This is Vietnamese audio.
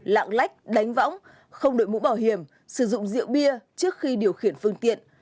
lạng lách đánh võng không đội mũ bảo hiểm sử dụng rượu bia trước khi điều khiển phương tiện